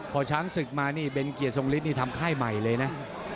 พอช้างศึกมานี่เบนเกียรทรงฤทธนี่ทำค่ายใหม่เลยนะ